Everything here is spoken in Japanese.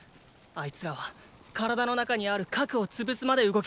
あいつらは体の中にある核を潰すまで動き続ける。